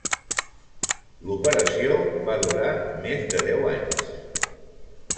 L'operació va durar més de deu anys.